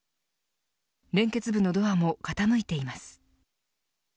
連結部のドアも傾いています。